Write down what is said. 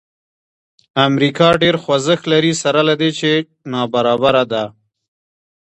امریکا ډېر خوځښت لري سره له دې چې نابرابره ده.